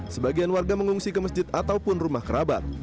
sebagian warga mengungsi ke masjid ataupun rumah kerabat